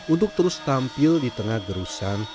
untuk terus tampil di tengah gerusan